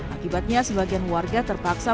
akibatnya sebagian warga terpaksa